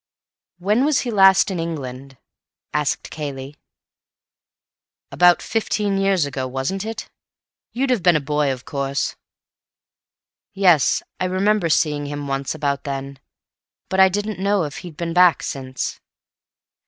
"When was he in England last?" asked Cayley. "About fifteen years ago, wasn't it? You'd have been a boy, of course." "Yes, I remember seeing him once about then, but I didn't know if he had been back since."